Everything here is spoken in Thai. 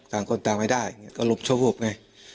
ต่างคนต่างไม่ได้ก็ลุมโชควูบไง